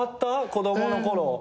子供の頃。